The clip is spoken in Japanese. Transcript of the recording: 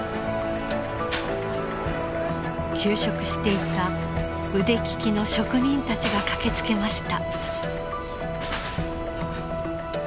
休職していた腕利きの職人たちが駆けつけました。